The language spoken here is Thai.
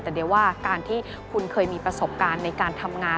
แต่เดี๋ยวว่าการที่คุณเคยมีประสบการณ์ในการทำงาน